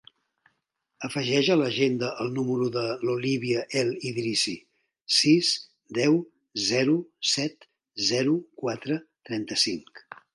Afegeix a l'agenda el número de l'Olívia El Idrissi: sis, deu, zero, set, zero, quatre, trenta-cinc.